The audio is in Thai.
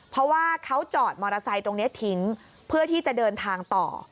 เพราะว่าเขาจอดมอเตอร์ไซค์ตรงนี้ทิ้งเพื่อที่จะเดินทางต่อ